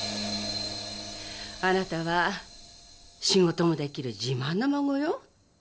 あなたは仕事もできる自慢の孫よ。